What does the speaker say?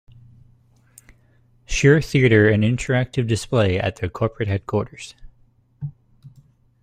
Shure Theater and Interactive Display at their corporate headquarters.